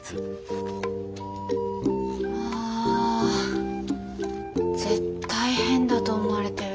あ絶対変だと思われたよ